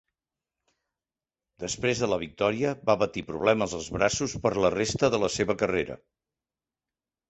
Després de la victòria, va patir problemes als braços per la resta de la seva carrera.